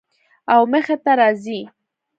او مخې ته راځي